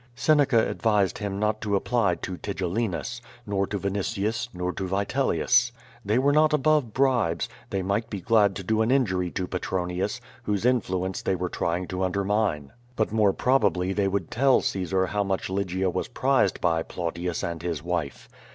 Seneca advised him not to apply to Tigellinus, nor to Vinitius, nor to Vitelius. They were not above bribes, they might be glad to do an injury to Petronius, whose influence tlicy were trying to undermine. lUit more probably they would tell (*aesar how much Lygia was prized by Plautius and his wife.